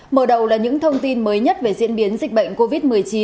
mở đầu là những thông tin mới nhất về diễn biến dịch bệnh covid một mươi chín